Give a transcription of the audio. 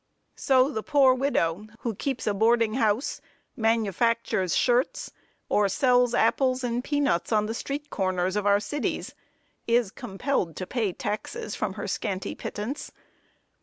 So the poor widow, who keeps a boarding house, manufactures shirts, or sells apples and peanuts on the street corners of our cities, is compelled to pay taxes from her scanty pittance.